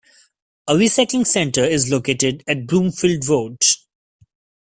A recycling centre is located at Broomfield Road.